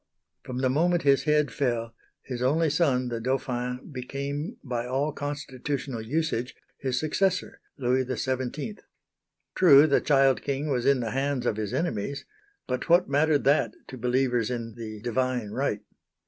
From the moment his head fell, his only son the Dauphin became by all constitutional usage, his successor, Louis XVII. True the child king was in the hands of his enemies; but what mattered that to believers in the "Divine Right."